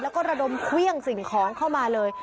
แล้วก็ระดมเครื่องสิ่งของเข้ามาเลย